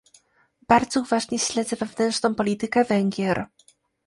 Bardzo uważnie śledzę wewnętrzną politykę Węgier